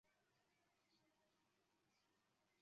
殿试登进士第三甲第八十三名。